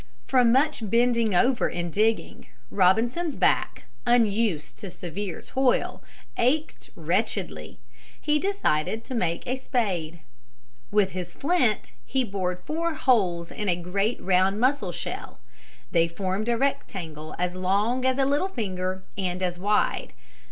From much bending over in digging, Robinson's back, unused to severe toil, ached wretchedly. He decided to make a spade. With his flint he bored four holes in a great, round mussel shell. They formed a rectangle as long as a little finger and as wide.